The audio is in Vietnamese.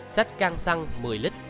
xách can xăng một mươi lít